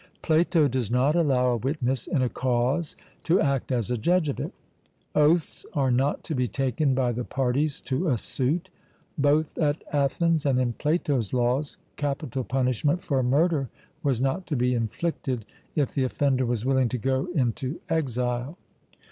Plato does not allow a witness in a cause to act as a judge of it...Oaths are not to be taken by the parties to a suit...Both at Athens and in Plato's Laws capital punishment for murder was not to be inflicted, if the offender was willing to go into exile...